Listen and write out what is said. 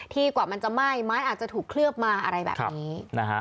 กว่ามันจะไหม้ไม้อาจจะถูกเคลือบมาอะไรแบบนี้นะฮะ